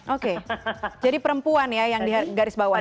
oke jadi perempuan ya yang di garis bawah ini